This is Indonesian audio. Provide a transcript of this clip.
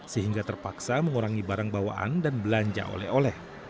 sehingga terpaksa mengurangi barang bawaan dan belanja oleh oleh